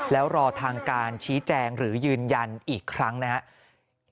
แล้วรอทางการชี้แจงหรือยืนยันอีกครั้งนะครับ